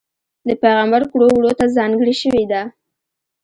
د پېغمبر کړو وړوته ځانګړې شوې ده.